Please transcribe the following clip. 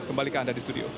kembalikan anda di studio